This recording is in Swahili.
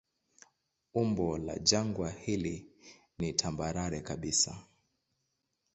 Umbo la jangwa hili ni tambarare kabisa.